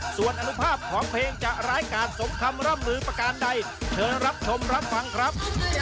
ส่วนอนุภาพของเพลงจะร้ายการสมคำร่ำลือประการใดเชิญรับชมรับฟังครับ